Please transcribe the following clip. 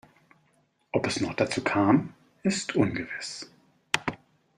Ob es noch dazu kam, ist ungewiss.